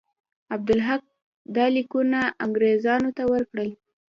عبدالحق دا لیکونه انګرېزانو ته ورکړل.